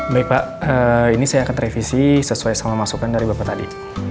baik pak ini saya akan revisi sesuai sama masukan dari bapak tadi